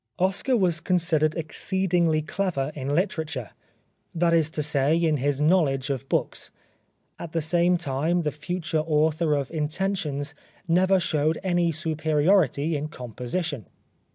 Oscar was considered exceedingly clever in literature — that is it say in his knowledge of books. At the same time the future author of " Intentions " never showed any superiority in composition.